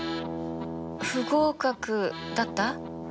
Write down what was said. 不合格だった？